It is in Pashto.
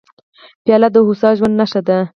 پیاله د هوسا ژوند نښه ده.